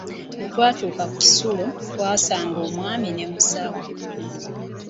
Bwe twatuuka ku kisulo, twasanga omwami ne Musawo.